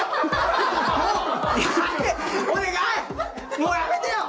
もうやめてよ。